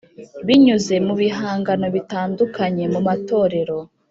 binyuze mu bihangano bitandukanye, mu matorero